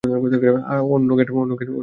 অন্য গোট খালি ছিল না।